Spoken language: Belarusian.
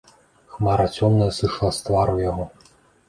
Хмара цёмная сышла з твару яго.